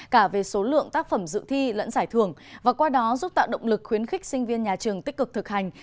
cả về số lượng tác phẩm dự thi lẫn giải thưởng và qua đó giúp tạo động lực khuyến khích sinh viên nhà trường tích cực thực hành